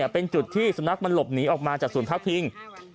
เป็นจุดที่สุนัขมันหลบหนีออกมาจากศูนย์พักพิง